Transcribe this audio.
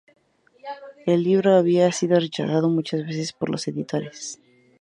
El libro había sido rechazado muchas veces por los editores.